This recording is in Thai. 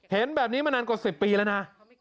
เห็นแบบนี้มานานกว่า๑๐ปีแล้วนะ